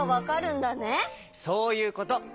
そういうこと。